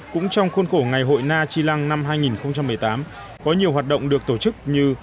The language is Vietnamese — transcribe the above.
cũng trong khuôn khổ ngày hội na chi lăng năm hai nghìn một mươi tám có nhiều hoạt động được tổ chức như